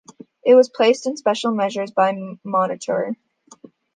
It was placed in special measures by Monitor.